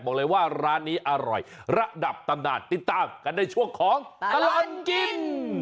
บอกเลยว่าร้านนี้อร่อยระดับตำนานติดตามกันในช่วงของตลอดกิน